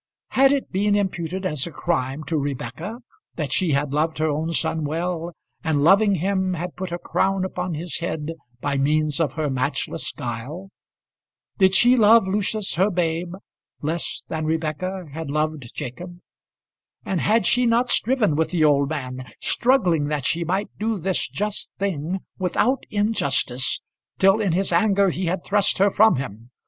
Had it been imputed as a crime to Rebekah that she had loved her own son well, and loving him had put a crown upon his head by means of her matchless guile? Did she love Lucius, her babe, less than Rebekah had loved Jacob? And had she not striven with the old man, struggling that she might do this just thing without injustice, till in his anger he had thrust her from him.